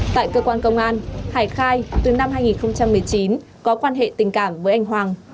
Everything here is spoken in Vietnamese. tại cơ quan công an hải khai từ năm hai nghìn một mươi chín có quan hệ tình cảm với anh hoàng